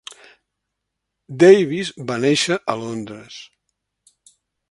Davis va néixer a Londres.